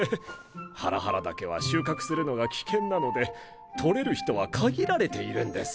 ハラハラ茸は収穫するのが危険なので採れる人は限られているんです。